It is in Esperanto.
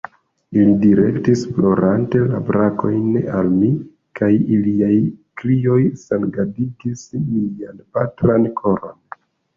Ili direktis plorante la brakojn al mi, kaj iliaj krioj sangadigis mian patran koron.